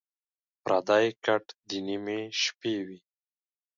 پردی کټ دَ نیمې شپې وي